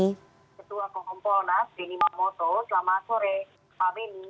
ketua kompol nas beni mamoto selamat sore pak beni